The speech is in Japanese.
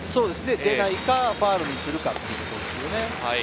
出ないか、ファウルにするかっていうことですよね。